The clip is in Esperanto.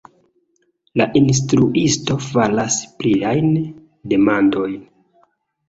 La instruisto faras pliajn demandojn: